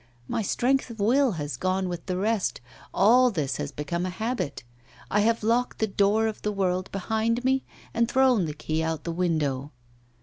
My strength of will has gone with the rest; all this has become a habit; I have locked the door of the world behind me, and thrown the key out of the window.